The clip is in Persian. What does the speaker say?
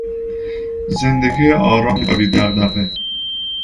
زندگی آرام و بی دغدغه